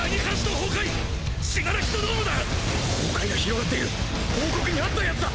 崩壊が広がっている報告にあったヤツだ！